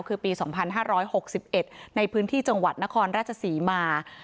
คือปี๒๕๖๑ในพื้นที่จังหวัดนครราชศรีมา